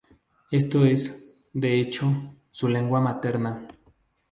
Esto es, de hecho, su lengua materna.